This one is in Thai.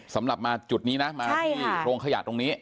สำหรับมาจุดนี้นะมาที่โรงขยะตรงนี้